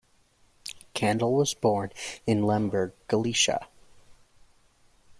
Kandel was born in Lemberg, Galicia.